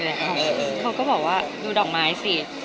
อเรนนี่ว่าพูดข่าวหรือพูดมาอะไร